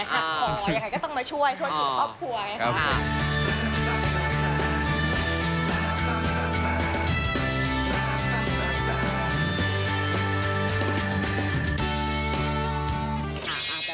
หัดพออย่างไงก็ต้องมาช่วยคนอีกครอบครัว